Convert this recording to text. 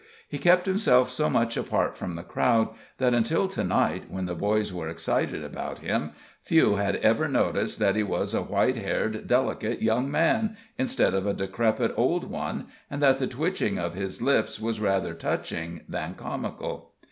He kept himself so much apart from the crowd, that until to night, when the boys were excited about him, few had ever noticed that he was a white haired, delicate young man, instead of a decrepit old one, and that the twitching of his lips was rather touching than comical.